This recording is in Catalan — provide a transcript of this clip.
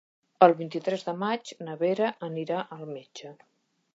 El vint-i-tres de maig na Vera anirà al metge.